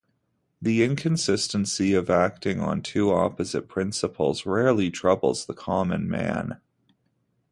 The inconsistency of acting on two opposite principles rarely troubles the common man.